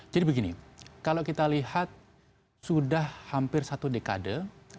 jadi begini kalau kita lihat sudah hampir satu dekade